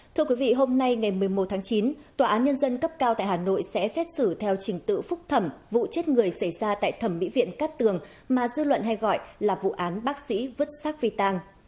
thưa quý vị hôm nay ngày một mươi một tháng chín tòa án nhân dân cấp cao tại hà nội sẽ xét xử theo trình tự phúc thẩm vụ chết người xảy ra tại thẩm mỹ viện cát tường mà dư luận hay gọi là vụ án bác sĩ vứt xác phi tàng